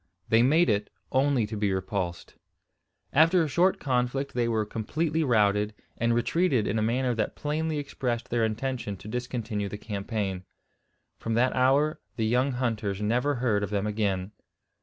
They made it, only to be repulsed. After a short conflict they were completely routed, and retreated in a manner that plainly expressed their intention to discontinue the campaign. From that hour the young hunters never heard of them again.